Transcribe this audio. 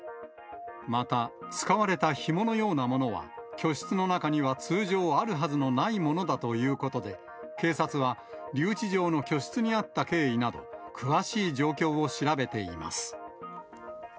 また、使われたひものようなものは、居室の中には通常あるはずのないものだということで、警察は留置場の居室にあった経緯など、詳しい状況を調べています。